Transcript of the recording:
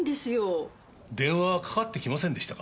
電話かかってきませんでしたか？